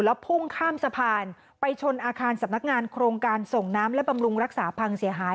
แล้วพุ่งข้ามสะพานไปชนอาคารสำนักงานโครงการส่งน้ำและบำรุงรักษาพังเสียหาย